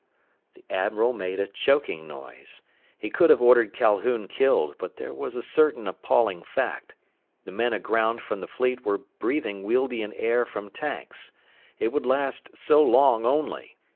The admiral made a choking noise. He could have ordered Calhoun killed, but there was a certain appalling fact. The men aground from the fleet were breathing Wealdian air from tanks. It would last so long only.